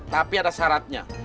tapi ada syaratnya